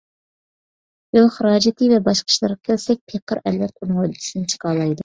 يول خىراجىتى ۋە باشقا ئىشلارغا كەلسەك، پېقىر ئەلۋەتتە ئۇنىڭ ھۆددىسىدىن چىقالايدۇ.